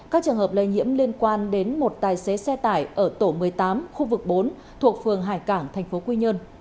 các trường hợp lây nhiễm liên quan đến một tài xế xe tải ở tổ một mươi tám khu vực bốn thuộc phường hải cảng tp quy nhơn